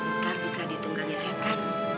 ntar bisa ditunggangin setan